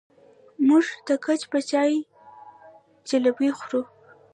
موږ د ګیځ په چای جلبۍ خورو.